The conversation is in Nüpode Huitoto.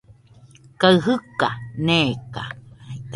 kaɨ jɨka neka